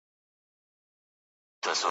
د خزان پر لمن پروت یم له بهار سره مي ژوند دی .